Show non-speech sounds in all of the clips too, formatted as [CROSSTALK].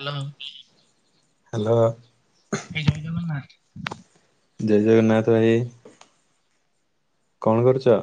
Hello ହଁ। Hello. ହେ ଜୟ ଜଗନ୍ନାଥ। ଜୟ ଜଗନ୍ନାଥ ଭାଇ କଣ କରୁଛ?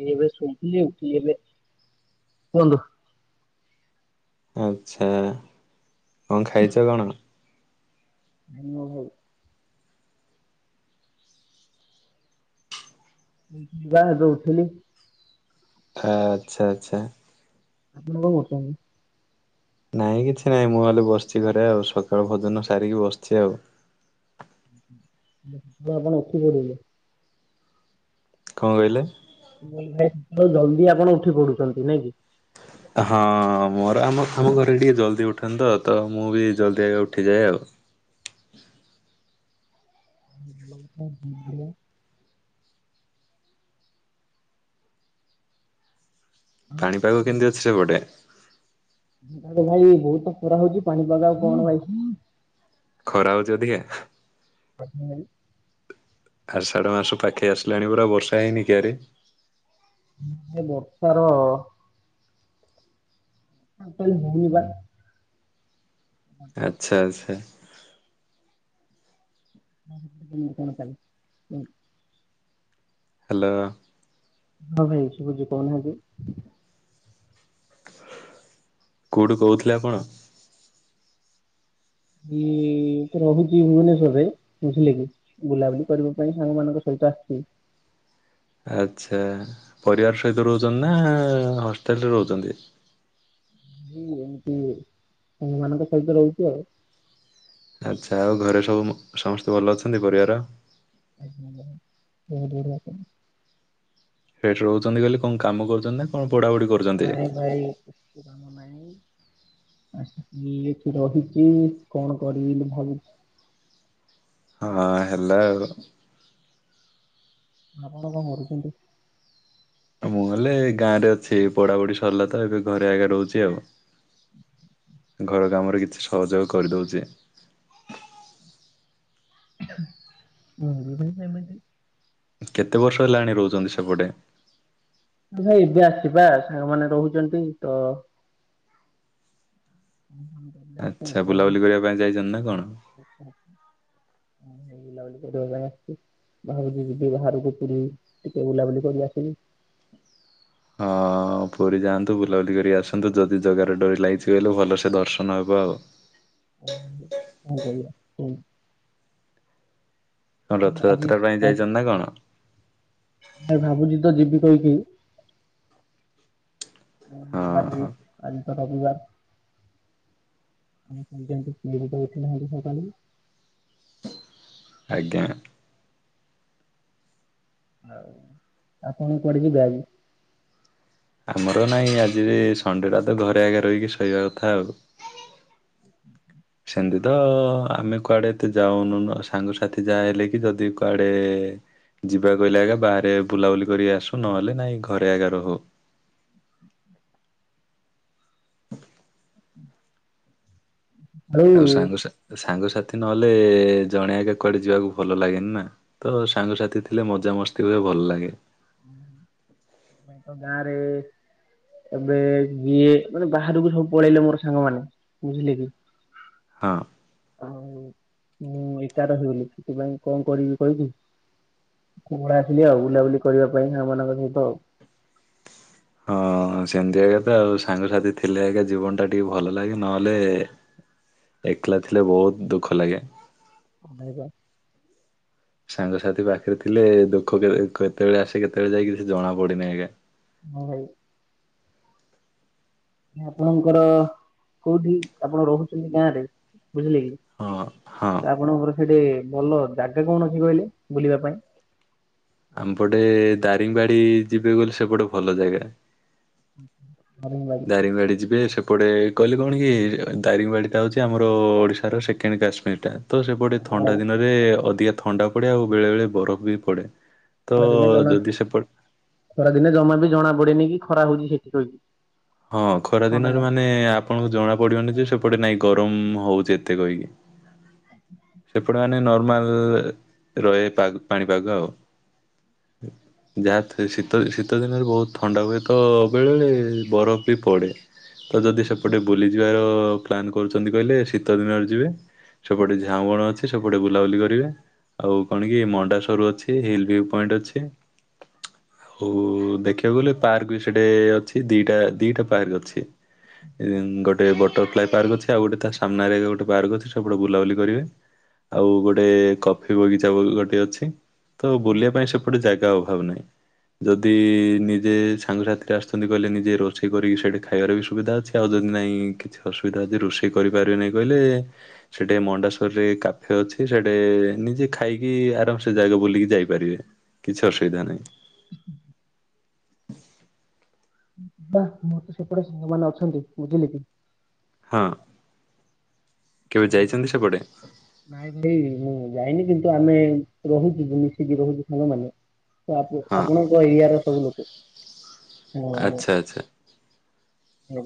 ଏଇ ଏବେ ଶୋଇଥିଲି ଆଉ ଉଠିଲି ଏବେ କୁହନ୍ତୁ। ଆଚ୍ଛା କଣ ଖାଇଛ କଣ? ହୁଁ ହୋଉ ଇବା ଏବେ ଉଠିଲି। ଆଚ୍ଛା ଆଚ୍ଛା। ଆପଣ କଣ କରୁଛନ୍ତି? ନାଇଁ କିଛି ନାଇଁ ମୁଁ ହେଲେ ବସିଛି ଘରେ ଆଉ ସକାଳ ଭଜନ ସାରିକି ବସିଛି ଆଉ। ସେ ଆପଣ ଉଠି ପଡ଼ିଲେ। କଣ କହିଲେ। ଜଲଦି ଆପଣ ଉଠି ପଡୁଛନ୍ତି ନାଇଁ କି। [INAUDIBLE] ହଁ ମୋର ଆମ ଆମ ଘରେ ଟିକେ ଜଲଦି ଉଠନ୍ତ ତ ମୁଁ ବି ଜଲ୍ଦି ଆଗେ ଉଠିଯାଏ ଆଉ [INAUDIBLE] [INAUDIBLE] ପାଣିପାଗ କେମିତି ଅଛି ସେପଟେ ତ ଭାଇ ବହୁତ ଖରା ହଉଛି ପାଣି ପାଗ ଆଉ କଣ ଭାଇ ଖରା ହଉଛି ଅଧିକା। [UNINTELLIGIBLE] ଆଷଢ଼ ମାସ ପାଖେଇ ଆସିଲାଣି ପୁରା ବର୍ଷା ହେଇନି କି ଆାରେ। ବର୍ଷାର [UNINTELLIGIBLE] ଆଚ୍ଛା ଆଚ୍ଛା। [UNINTELLIGIBLE] ହ୍ୟାଲୋ। ହଁ ଭାଇ ଶୁଭୁଛି କହୁନାହାନ୍ତି। କୋଉଠୁ କହୁଥିଲେ ଆପଣ? ଇ ଏଇଠି ରହୁଛି ଭୁବନେଶ୍ୱରରେ ବୁଝିଲେ କି ବୁଲାବୁଲି କରିବା ପାଇଁ ସାଙ୍ଗ ମାନଙ୍କ ସହିତ ଆସିଛି। [INAUDIBLE] ଆଚ୍ଛା ପରିବାର ସହିତ ରହୁଛନ୍ତି ନା ହଷ୍ଟେଲ୍ରେ ରହୁଛନ୍ତି। [INAUDIBLE] ଏମିତି ସାଙ୍ଗମାନଙ୍କ ସହିତ ରହୁଛି ଆଉ। ଆଚ୍ଛା ଆଉ ଘରେ ସବୁ ସମସ୍ତେ ଭଲ ଅଛନ୍ତି ପରିବାର। ଆଜ୍ଞା ଭାଇ ବହୁତ ବଢିଆ ଅଛନ୍ତି। ସେଠି ରହୁଛନ୍ତି କହିଲେ କଣ କାମ କରୁଛନ୍ତି ନା କଣ? ପଢାପଢି କରୁଛନ୍ତି? ଭାଇ ଭାଇ କିଛି କାମ ନାହିଁ। ଆସିଥିଲି ଏଠି ରହିଛିି କଣ କରିବି ବୋଲି ଭାବୁଛି। ହଁ ହ୍ୟାଲୋ। ଆପଣ କଣ କରୁଛନ୍ତି। ମୁଁ ଗଲେ ଏ ଗାଁ ରେ ଅଛି ପଢାପଢି ସରିଲା ତ ଏବେ ଘରେ ଏଗା ରହୁଛି ଆଉ। ଘର କାମରେ କିଛି ସହଯୋଗ କରିଦଉଛି। ମୁଁ ବି ଭାଇ ସେମିତି କେତେ ବର୍ଷ ହେଲାଣି ରହୁଛନ୍ତି ସେପଟେ? ଭାଇ ଏବେ ଆସିଚି ପା ସାଙ୍ଗ ମାନେ ରହୁଚନ୍ତି। ତ [UNINTELLIGIBLE] ଆଚ୍ଛା କହିଲେ ବୁଲାବୁଲି କରିବା ପାଇଁ ଯାଇଚନ୍ତି ନା କଣ? ହଁ ଭାଇ ବୁଲାବୁଲି କରିବାପାଇଁ ଆସିଛି। ଭାବୁଚି ଯିବି ବାହାରକୁ ପୁରୀ ଟିକେ ବୁଲାବୁଲି କରି ଆସିବି। ହଁ। ହଁ ପୁରୀ ଯାଆନ୍ତୁ ବୁଲାବୁଲି କରି ଆସନ୍ତୁ ଯଦି ଜଗାର ଡୋରି ଲାଗିଛି ବଲେ ଭଲସେ ଦର୍ଶନ ହବ ଆଉ। ହଁ ହଁ କରିବା [UNINTELLIGIBLE] କଣ ଆଜି ରଥଯାତ୍ରା ପାଇଁ ଯାଇଚନ୍ତି ନା କଣ? ନାଇଁ ଭାବୁଚି ତ ଯିବି କହିକି। ହଁ [UNINTELLIGIBLE] ଆଜି ହଁ ଆଜି ତ ରବିବାର। [UNINTELLIGIBLE] ଉଠିଲା ବେଳୁ ସକାଳୁ ଆଜ୍ଞା। ଆଉ ଆପଣ କୁଆଡେ ଯିବେ ଆଜି? ଆମର ନାଇଁ ଆଜି ଯେ ସଣ୍ଡେଟା ତ ଘରେ ଏକା ରହିକି ଶୋଇବା କଥା ଆଉ। ସେମିତି ତ ଆମେ କୁଆଡେ ଏତେ ଯାଉନୁ ନା। ସାଙ୍ଗସାଥି ଯାହା ହେଲେ କି ଯଦି କୁଆଡେ ଯିବା କହିଲେ ଏଗା ବାହାରେ ବୁଲାବୁଲି କରିକି ଆସୁ। ନହେଲେ ନାଇଁ ଘରେ ଏକା ରହୁ। [INAUDIBLE] ଆଉ ସାଙ୍ଗ ସା ଏ ସାଙ୍ଗ ସାଥି ନହେଲେ ଜଣେ ଏକା କୁଆଡେ ଯିବାକୁ ଭଲ ଲାଗେନି ନା ତ ସାଙ୍ଗସାଥି ଥିଲେ ମଜାମସ୍ତି ହୁଏ। ତ ଭଲ ଲାଗେ। [UNINTELLIGIBLE] ତ ଗାଁରେ ଏବେ ଇଏ ମାନେ ବାହାରକୁ ସବୁ ପଳେଇଲେ ମୋର ସାଙ୍ଗମାନେ ବୁଝିଲେ କି। ହଁ। ଆଉ ମୁଁ ଏକା ରହିଗଲି ସେଥିପାଇଁ କଣ କରିବି କହିବି କୁହୁଳା ଆସିଲି ଆଉ ବୁଲାବୁଲି କରିବା ପାଇଁ ସାଙ୍ଗ ମାନଙ୍କ ସହିତ ଆଉ। ହଁ। ହଁ ସେମିତି ଏକା ତ ଆଉ ସାଙ୍ଗସାଥି ଥିଲେ ଏକା ଜୀବନ ଟା ଟିକେ ଭଲ ଲାଗେ। ନହେଲେ ଏକଲା ଥିଲେ ବହୁତ ଦୁଃଖ ଲାଗେ। [UNINTELLIGIBLE] ସାଙ୍ଗସାଥି ପାଖରେ ଥିଲେ ଦୁଃଖ କେ-କେତେବେଳେ ଆସେ କେତେବେଳେ ଯାଏ କିଛି ଜଣା ପଡିନି ଆଜ୍ଞା। ହଁ ଭାଇ। ଆପଣଙ୍କର କୋଉଠି ଆପଣ ରହୁଚନ୍ତି ଗାଁରେ? ବୁଝିଲେ କି ହଁ ହଁ ଏ ଆପଣଙ୍କର ଘର ସେଠି ଭଲ ଜାଗା କଣ ଅଛି କହିଲେ ବୁଲିବା ପାଇଁ? ଆମ ପଟେ ଦାରିଙ୍ଗବାଡି ଯିବେ ବଲେ ସେପଟ ଭଲ ଜାଗା। ହଁ ଭାଇ, ଦାରିଙ୍ଗବାଡ଼ି ଯିବେ। ସେ ସେପଟେ ଏ କହିଲେ କଣ କି ଦାରିଙ୍ଗବାଡ଼ିଟା ହଉଚି ଆମର ଓଡ଼ିଶାର ସେକେଣ୍ଡ କାଶ୍ମୀରଟା। ତ ସେପଟେ ହଁ ଭାଇ, ଥଣ୍ଡା ଦିନରେ ଅଧିକା ଥଣ୍ଡା ପଡ଼େ ଆଉ ବେଳେବେଳେ ବରଫ ବି ପଡ଼େ। ତ ଖରା ଦିନେ ଜମା, ଯଦି ସେପଟ ଖରା ଦିନେ ଜମା ବି ଜଣା ପଡେନି କି ଖରା ହଉଚି ସେଠି କହିକି। ହଁ ଖରା ଦିନରେ ମାନେ ଆପଣଙ୍କୁ ଜଣା ପଡିବନି ଯେ ସେପଟେ ନାଇଁ ଗରମ ହଉଚି ଏତେ କହିକି। ସେପଟେ ମାନେ ନର୍ମାଲ ରହେ ପା ପାଣିପାଗ ଆଉ। ଯାହା ଥ-ଶୀତ ଶୀତ ଦିନରେ ବହୁତ ଥଣ୍ଡା ହୁଏ ତ। ବେଳେ ବଳେ ବରଫ ବି ପଡ଼େ। ତ ଯଦି ସେପଟେ ବୁଲିଯିବାର ପ୍ଲାନ୍ କରୁଛନ୍ତି କହିଲେ ଶୀତ ଦିନରେ ଯିବେ। ସେପଟେ ଝାଉଁ ବଣ ଅଛି ସେପଟେ ବୁଲାବୁଲି କରିବେ। ଆଉ କଣ କି ମଣ୍ଡା ସରୁ ଅଛି। ହିଲ୍ ଭିୟୁ ପଏଣ୍ଟ ଅଛି। ଆଉ ଦେଖିବାକୁ ଗଲେ ପାର୍କ ବି ସେଠି ଅଛି ଦି ା ଦିଟା ପାର୍କ ଅଛି ଗୋଟେ ବଟ ପାର୍କ ଅ ଆଉ ଗୋଟେ ତା ସାମ୍ନାରେ ଗୋଟେ ପାର୍କ ଅଛି ସେପଟେ ବୁଲାୁଲି କରିବେ। ଆଉ ଗୋଟେ କଫି ବଗିଚା ଗୋଟେ ଅଛି, ତ ବୁଲିବା ପାଇଁ ସେପଟେ ଜାଗା ଅଭାବ ନାହିଁ, ଯଦି ନିଜେ ସାଙ୍ଗସାଥିରେ ଆସୁଛନ୍ତି କହିଲେ ନିଜେ ରୋଷେଇ କରିକି ସେଇଠି ଖାଇବାର ବି ସୁବିଧା ଅଛି ଆଉ ଯଦି ନାଇଁ କିଛି ଅସୁବିଧା ଅଛି ରୋଷେଇ କରିପାରିବେ ନାହିଁ କହିଲେ ସେଠେ ମଣ୍ଡାସ୍ୱରରେ କାଫେ ଅଛି ସେଠେ ନିଜେ ଖାଇକି ଆରାମ ସେ ଜାଗା ବୁଲିକି ଯାଇପାରିବେ। କିଛି ଅସୁବିଧା ନାହିଁ। ମୁଁର ତ ସେପଟେ ସାଙ୍ଗମାନୋନେ ଅଛନ୍ତି ବୁଝିଲି କି [UNINTELLIGIBLE] ହଁ କେବେ ମୁ ଯାଇଛନ୍ତି ସେପଟେ? ନାଇଁାଇ ମୁଁ [INAUDIBLE] ଯାଇନି କିନ୍ତୁ ଆମେ ରହୁଛୁ ମିଶିକି ରହୁଛୁ ସାଙ୍ଗମାନୋ ହଁ ଆପଣଙ୍କ ଏରିଆ ର ସବୁ ଲୋକ ଆଚ୍ଛା ଆଚ୍ଛା ହୁଁ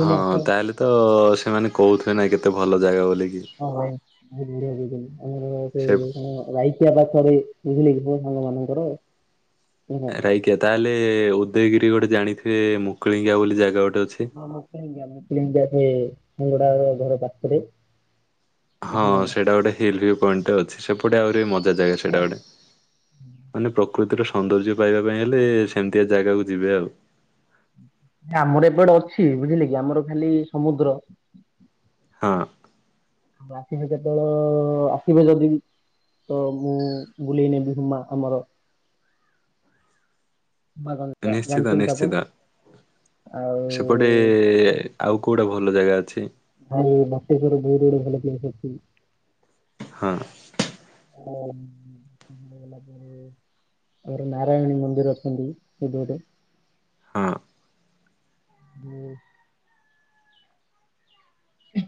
ହଁ ତାହେଲେ ତ ସେମାନେ କହୁଥିବେ ନାଇ କେତେ ଭଲ ଜାଗା ବୋଲି। ହଁମାଇ [UNINTELLIGIBLE] ସେ ବୁଝିଲେ କି ସାଙ୍ଗ ମାନଙ୍କର ସାଙ୍ଗଟା ରାଇକିଆ ତାହେଲେ ଉଦୟଗିରି ଗୋଟେ ଜାଣିଥିବେ ମୁକୁଳିଙ୍ଗିଆ ବୋଲି ଜାଗା ଗୋଟେ ଅଛି। ହଁ ମୁ ମୁମଆ ସେ ମୁଗୁଡା ଘର ପାଖରେ [UNINTELLIGIBLE] ହଁ ବୁଝିଲେ କି ସେଟା ଗୋଟେ ହିଲ୍ ଭ ପଏଣ୍ଟ ଅଛି ସେପଟେ ଆଉ ମଜା ଜାଗା ସେଇଟା ଗୋଟେ ମାନେ ପ୍ରକୃତିର ସୌନ୍ଦର୍ଯ୍ୟ ପାଇବା ପାଇଁ ହେଲେ ସେମିତିଆ ଜାଗାକୁ ଯିବେ ଆଉ। ଆମର ଏବଟେ ଅଛି ବୁଝିଲେ କି ଆମର ଖାଲି ସମୁଦ୍ର ହଁ ଆସିବେ କେତେବେଳ ଆସିବେ ଯଦି ତ ମୁଁ ବୁଲେଇ ନେବି ହୁମା ଆମର। ହୁମା ଗଞ୍ଜା ନିଶ୍ଚିତ ଜାଣିଛନ୍ତି ତ ଆପଣ ନିଶ୍ଚିତ ଆଉ ସେପଟେ ଆଉ କୋଉଟା ଭଲ ଜାଗା ଅଛି? [UNINTELLIGIBLE] [INAUDIBLE] ହଁ [INAUDIBLE] ଆର ନାରାୟଣୀ ମନ୍ଦିର ଅଛନ୍ତି [INAUDIBLE] ହଁ ହୁଁ [INAUDIBLE]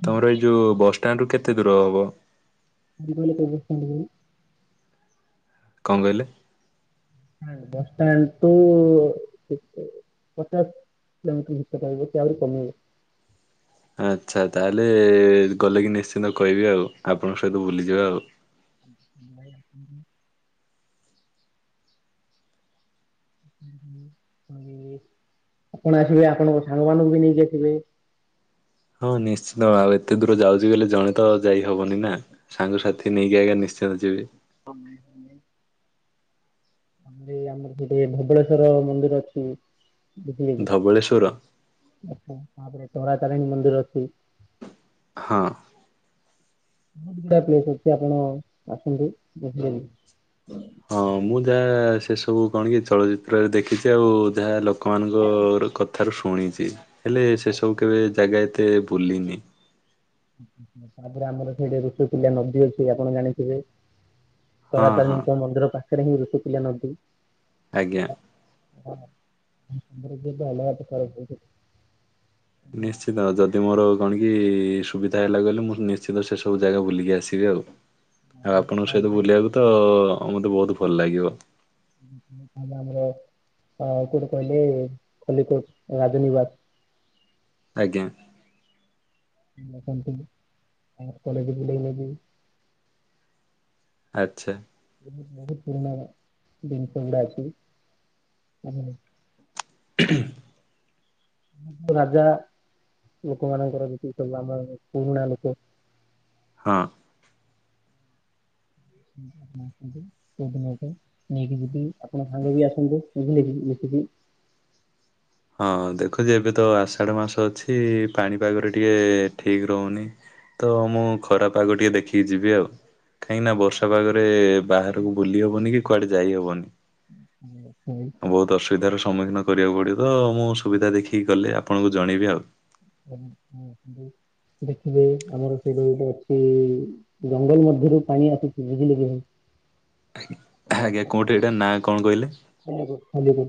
ତମର ଏଇ ଯୋଉ ବସଷ୍ଟାଣ୍ଡରୁ କେତେ ଦୁର ହେବ? [INAUDIBLE] କଣ କହିଲେ? ବସଷ୍ଟାଣ୍ଡଠୁ କେତେ ପଚାଶ [INAUDIBLE] କମିବ [UNINTELLIGIBLE] ଆଚ୍ଛା ତାହେଲେ ଗଲେ କି ନିଶ୍ଚିତ କହିବି ଆଉ, ଆପଣଙ୍କ ସହିତ ଭୁଲିଯିବା ଆଉ ଭାଇ [INAUDIBLE] ହ ହଁ ହ [INAUDIBLE] ଆପଣ ଆସିବେ ଆପଣଙ୍କ ସାଙ୍ଗମାନଙ୍କୁ ବି ନେଇକି ଆସିବେ ହଁ ନିଶ୍ଚିତ ଆଉ ଏତେ ଦୂର ଯାଉଛି ଗଲେ ଜଣେ ତ ଯାଇହବନି ନା ସାଙ୍ଗସାଥି ନେଇକି ଆଜ୍ଞା ନିଶ୍ଚିତ ନିଶ୍ଚିତ ଯିବି ହମ ହ [INAUDIBLE] ଆମର ଏଇ ଆମର ସେଠି ଧବଳେଶ୍ୱର ମନ୍ଦିର ଅଛି ଦେଖିଲେ କୀ ଧବଳେଶ୍ଵର ଆଚ୍ଛା ତାପରେ ତାରାତାରିଣୀ ମନ୍ଦିର ଅଛି ହଁ। ବହୁତଗୁଡ଼ା ପ୍ଲେସ୍ ଅଛି। ଆପଣ ଆସନ୍ତୁ, ଦେଖିଦେବି। ହଁ, ମୁଁ ଯାଆ-ଆ, ସେ ସବୁ କଣ କି ଚଳଚ୍ଚିତ୍ରରେ ଦେଖ୍ ଦେଖିଛି। ଆଉ ଯାହା ଲୋକମାନଙ୍କ ଅ-ର କଥାରୁ ଶୁଣିଛି। ହେଲେ ସେସବୁ କେବେ ଯାଗା ଏତେ ବୁଲିନି। ତା-ତାପରେ ଆମର ସେଇଠି ଋଷିକୂଲ୍ୟା ନଦୀ ଅଛି, ଆପଣ ଜାଣିଥିବେ। ହଁ ହଁ ତାରାତାରିଣୀଙ୍କ ମନ୍ଦିର ପାଖରେ ହିଁ ଋଷିକୁଲ୍ୟା ନଦୀ। ଆଜ୍ଞା। [INAUDIBLE] ନିଶ୍ଚିତ ଯଦି ମୋର କଣ କି-ଇ ଇ ସୁବିଧା ହେଲା ଗଲେ। ମୁଁ ନିଶ୍ଚିିତ ସେସବୁ ଯାଗା ବୁଲିକି ଆସିବି ଆଉ। ଆଉ ଆପଣଙ୍କ ସହିତ, ତାପରେ ବୁଲିବାକୁ ତ ମତେ ବହୁତ ଭଲ ଲାଗିବ। ହୁଁ ହୁଁ ଆମେ ଆମର ହଁ କୋଉଠି କହିଲେ? ଏ ଖଲିକୋଟ ରାଜନୀବାସ। ଆଜ୍ଞା। ଆସନ୍ତୁ। ଆମର କଲେଜ ବୁଲେଇନେବି। ଆଚ୍ଛା। ବହୁତ ବହୁତ ପୁରୁଣା ଜିନିଷ ଗୁଡା ଅଛି। [UNINTELLIGIBLE] [INAUDIBLE] ରାଜା। ଲୋକମାନଙ୍କର ବିକ୍ରି କରିଲା। ଆମର ପୁରୁଣା ଲୋକ। ହଁ। ଆପଣ ଆସନ୍ତୁ କିଛିଦିନ ପାଇଁ ନେଇକି ଯିବି। ଆପଣ ସାଙ୍ଗ ବି ଆସନ୍ତୁ ବୁଝିଲେ କି? ଇଏସେ ହୁଁ। [INAUDIBLE] ହଁ, ଦେଖୁଛି ଏବେ ତ ଆଷାଢ ମାସ ଅଛି। ପାଣିପାଗରେ ଟିକେ ଠିକ୍ ରହୁନି। ତ ମୁଁ ଖରାପାଗ ଟିକେ ଦେଖିକି ଯିବି ଆଉ। କାହିଁକି ନା ବର୍ଷା ପାଗରେ ଏବେ ବାହରକୁ ବୁଲି ହବନି, କି କୁଆଡେ ଯାଇହବନି? ବହୁତ ଅସୁବିଧାର ସମ୍ମୁଖୀନ କରିବାକୁ ପଡିବ। ତ, ମୁଁ ସୁବିଧା ଦେଖିକି ଗଲେ। ଆପଣଙ୍କୁ ଜଣେଇବି ଆଉ। ହଁ ହଁ [UNINTELLIGIBLE] ଦେଖିବେ, ଆମର ସେଇଟା ଗୋଟେ ଅଛି-ଇ। ଜଙ୍ଗଲ ମଧ୍ୟରୁ ପାଣି ଆସୁଛି। ବୁଝିଲେ କି ଆଜ୍ଞା, କୋଉଁଠି ଏଇଟା ନାଁ କଣ କହିଲେ?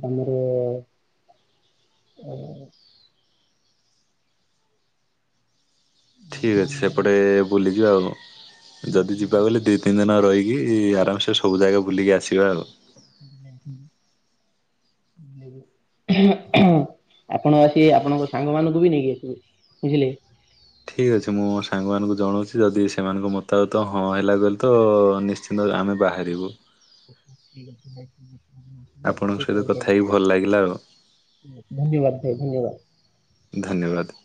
ଆମର-ଅ-ଅ ଠିକ୍ ଅଛି। ସେପଟେ ବୁଲିଯିବା ଆଉଁ। ଯଦି ଯିବା ବଲେ, ଦି ତିନି ଦିନ ରହିକି। ଆରାମସେ ସବୁ ଜାଗା ବୁଲିକି ଆସିବା ଆଉ। [INAUDIBLE] ଆପଣ ଆସି, ଆପଣଙ୍କ ସାଙ୍ଗ ମାନଙ୍କୁ ବି ନେଇକି ଆସିବେ। ବୁଝିଲେ? ଠିକ୍ ଅଛି। ମୁଁ ସାଙ୍ଗମାନଙ୍କୁ ଜଣଉଛି। ଯଦି ସେମାନଙ୍କ ମତାବତ ହଁ ହେଲା ବୋଲି ତ ନିଶ୍ଚିନ୍ତ। ତ ଆମେ ବାହାରିବୁ। ଠିକ୍ ଅଛି ଭାଇ ଆପଣଙ୍କ ସହିତ ତେବେ। କଥା ହେଇକି ଭଲ ଲାଗିଲା ଆଉ ଧନ୍ୟବାଦ ଭାଇ ଧନ୍ୟବାଦ। ଧନ୍ୟବାଦ।